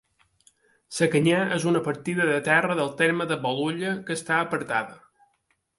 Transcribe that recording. Sacanyar és una partida de terra del terme de Bolulla que està apartada.